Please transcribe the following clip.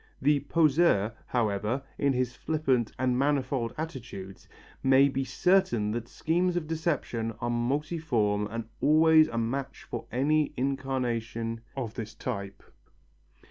The poseur, however, in his flippant and manifold attitudes, may be certain that schemes of deception are multiform and always a match for any incarnation of this type.